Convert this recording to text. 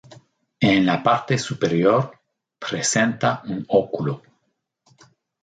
En la parte superior presenta un óculo.